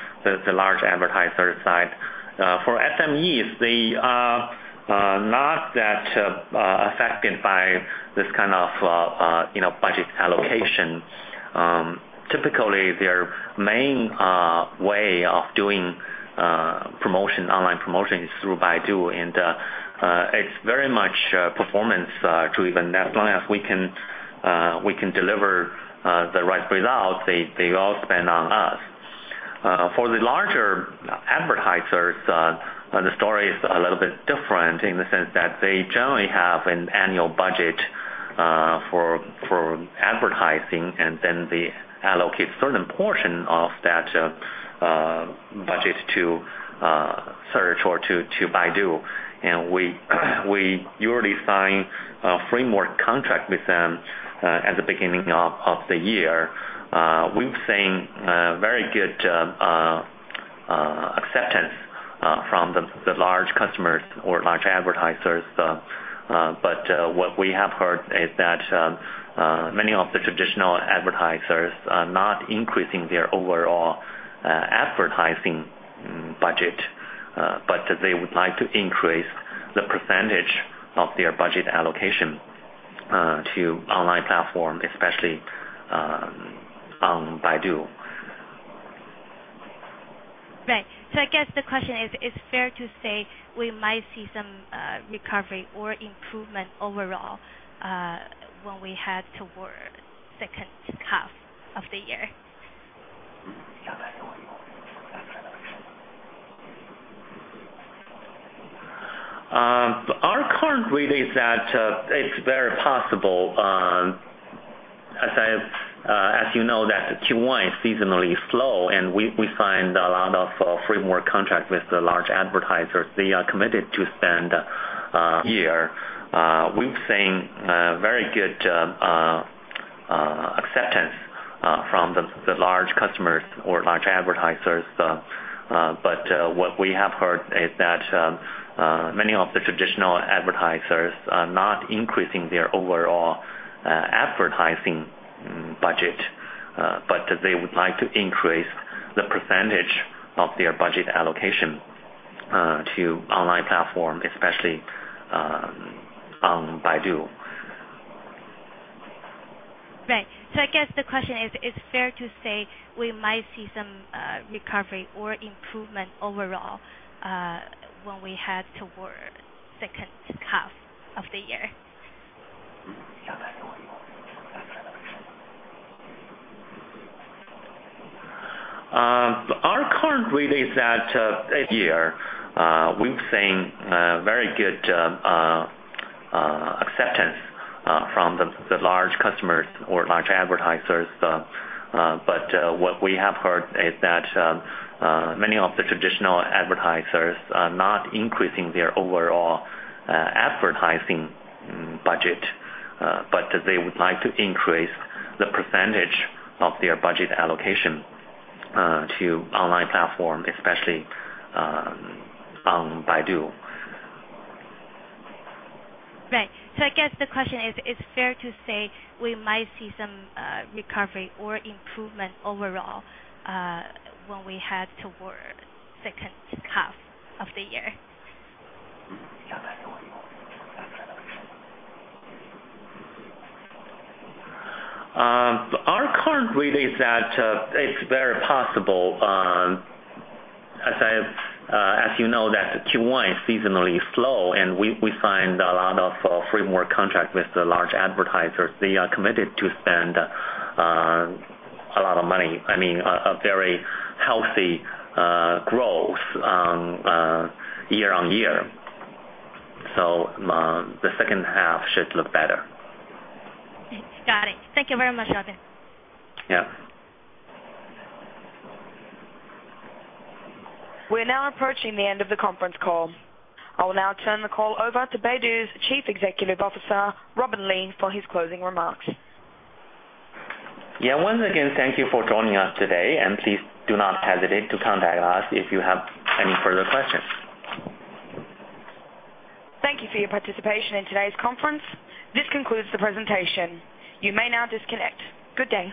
the large advertiser side. For SMEs, they are not that affected by this kind of budget allocation. Typically, their main way of doing online promotion is through Baidu, and it's very much performance-driven. As long as we can deliver the right result, they all depend on us. For the larger advertisers, the story is a little bit different in the sense that they generally have an annual budget for advertising, and then they allocate a certain portion of that budget to search or to Baidu. We usually sign a framework contract with them at the beginning of the year. We've seen very good acceptance from the large customers or large advertisers. What we have heard is that many of the traditional advertisers are not increasing their overall advertising budget, but they would like to increase the percentage of their budget allocation to online platforms, especially on Baidu. Right. I guess the question is, is it fair to say we might see some recovery or improvement overall when we head toward the second half of the year? Our current read is that it's very possible, as you know, that Q1 is seasonally slow, and we signed a lot of framework contracts with the large advertisers. They are committed to spend. This year, we've seen very good acceptance from the large customers or large advertisers. What we have heard is that many of the traditional advertisers are not increasing their overall advertising budget, but they would like to increase the percentage of their budget allocation to online platforms, especially on Baidu. Right. I guess the question is, is it fair to say we might see some recovery or improvement overall when we head toward the second half of the year? Our current read is that it. This year, we've seen very good acceptance from the large customers or large advertisers. What we have heard is that many of the traditional advertisers are not increasing their overall advertising budget, but they would like to increase the percentage of their budget allocation to online platforms, especially on Baidu. Right. I guess the question is, is it fair to say we might see some recovery or improvement overall when we head toward the second half of the year? Our current read is that it's very possible, as you know, that Q1 is seasonally slow. A lot of free work contract with the large advertisers. They are committed to spend a lot of money. I mean, a very healthy growth year on year. The second half should look better. Got it. Thank you very much, Robin. Yeah. We're now approaching the end of the conference call. I will now turn the call over to Baidu's Chief Executive Officer, Robin Li, for his closing remarks. Yeah, once again, thank you for joining us today, and please do not hesitate to contact us if you have any further questions. Thank you for your participation in today's conference. This concludes the presentation. You may now disconnect. Good day.